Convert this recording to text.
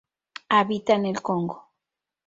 Habita en el Congo.